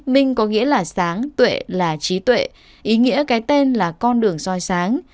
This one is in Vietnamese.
minh có nghĩa là sáng tuệ là trí tuệ ý nghĩa cái tên là con đường soi sáng